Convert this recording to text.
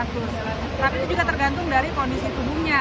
tapi itu juga tergantung dari kondisi tubuhnya